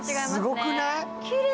すごくない？